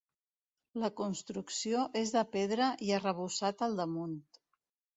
La construcció és de pedra i arrebossat al damunt.